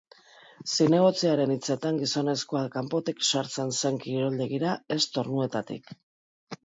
Zinegotziaren hitzetan, gizonezkoa kanpotik sartzen zen kiroldegira, ez tornuetatik.